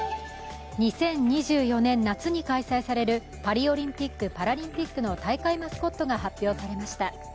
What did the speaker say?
２０２４年夏に開催されるパリオリンピック・パラリンピックの大会マスコットが発表されました。